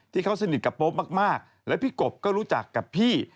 ที่เขาสนิทกับโป๊ปมากและพี่กบก็รู้จักกับพี่